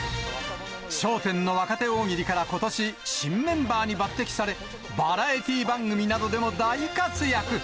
笑点の若手大喜利から、ことし、新メンバーに抜てきされ、バラエティ番組などでも大活躍。